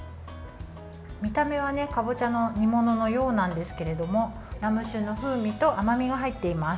見た目はかぼちゃの煮物のようなんですがラム酒の風味と甘みが入っています。